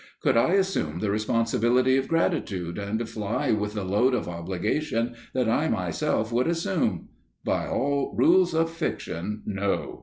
Could I assume the responsibility of gratitude and fly with the load of obligation that I myself would assume? By all rules of fiction, no!